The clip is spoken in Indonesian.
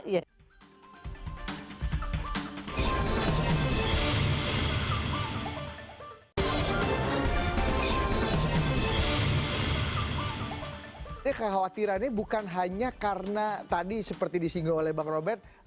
ya kekhawatirannya bukan hanya karena tadi seperti disinggung oleh bang robert